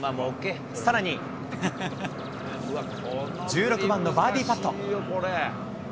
さらに１６番のバーディーパット。